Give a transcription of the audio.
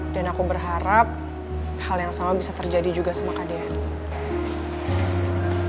dan aku berharap hal yang sama bisa terjadi juga sama kak dian